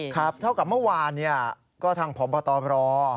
ครับเท่ากับเมื่อวานก็ทางผมพอตอบรอ